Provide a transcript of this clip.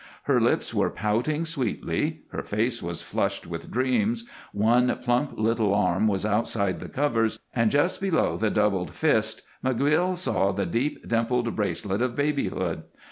Her lips were pouting sweetly, her face was flushed with dreams, one plump little arm was outside the covers, and just below the doubled fist McGill saw the deep dimpled bracelet of babyhood.